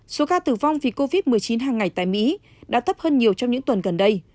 số ca tử vong vì covid một mươi chín hàng ngày tại mỹ đã thấp hơn nhiều trong những tuần gần đây